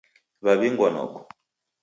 Waw'ingwa noko